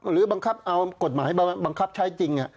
หรือบังคับเอากฎหมายบังคับใช้จริง